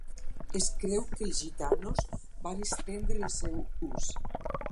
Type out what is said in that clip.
Es creu que els gitanos van estendre el seu ús.